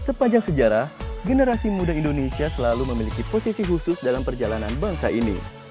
sepanjang sejarah generasi muda indonesia selalu memiliki posisi khusus dalam perjalanan bangsa ini